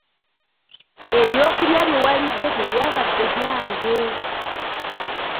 Ebyokulya bye walidde tebyabadde byange.